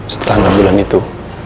setelah enam bulan itu